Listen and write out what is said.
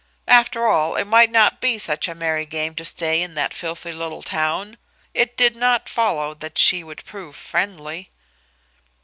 After all, it might not be such a merry game to stay in that filthy little town; it did not follow that she would prove friendly.